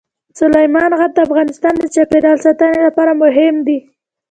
سلیمان غر د افغانستان د چاپیریال ساتنې لپاره مهم دي.